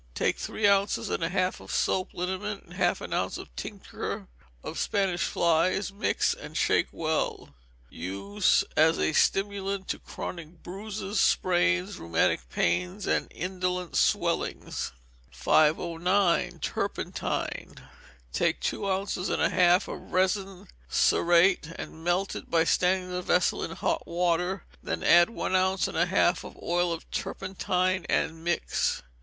Take three ounces and a half of soap liniment, and half an ounce of tincture of Spanish flies, mix and shake well. Use as stimulant to chronic bruises, sprains, rheumatic pains, and indolent swellings. 509. Turpentine. Take two ounces and a half of resin cerate, and melt it by standing the vessel in hot water, then add one ounce and a half of oil of turpentine, and mix.